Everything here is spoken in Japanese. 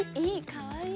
かわいい。